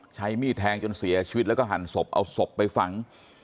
ใช้มีดแทงจนเสียชีวิตแล้วก็หั่นศพเอาศพไปฝัง